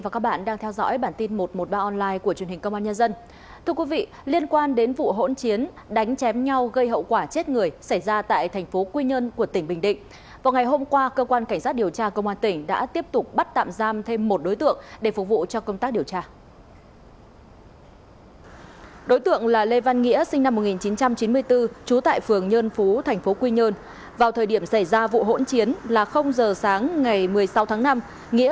các bạn hãy đăng ký kênh để ủng hộ kênh của chúng mình nhé